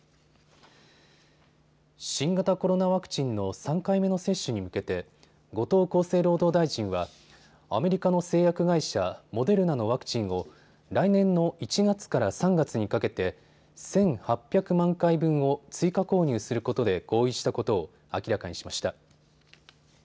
新型コロナワクチンの３回目の接種に向けて後藤厚生労働大臣はアメリカの製薬会社、モデルナのワクチンを来年の１月から３月にかけて１８００万回分を追加購入することで合意したことを明らかにしました。